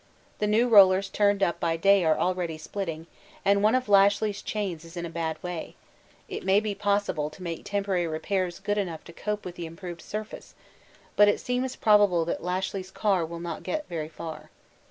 The new rollers turned up by Day are already splitting, and one of Lashly's chains is in a bad way; it may be possible to make temporary repairs good enough to cope with the improved surface, but it seems probable that Lashly's car will not get very far.